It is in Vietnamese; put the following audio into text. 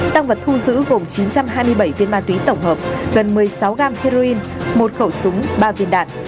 tăng vật thu giữ gồm chín trăm hai mươi bảy viên ma túy tổng hợp gần một mươi sáu gam heroin một khẩu súng ba viên đạn